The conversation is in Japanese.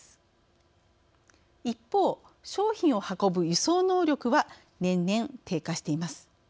一方商品を運ぶ輸送能力は年々低下しています。